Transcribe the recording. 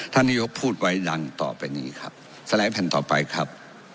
นายกพูดไว้ดังต่อไปนี้ครับสลายแผ่นต่อไปครับ